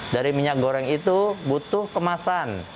dari minyak goreng itu butuh kemasan